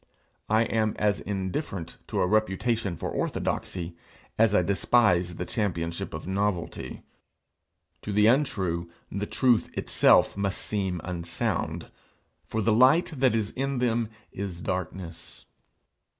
I am as indifferent to a reputation for orthodoxy as I despise the championship of novelty. To the untrue, the truth itself must seem unsound, for the light that is in them is darkness.